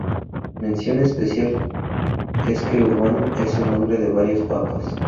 Mención especial es que Urbano es el nombre de varios Papas.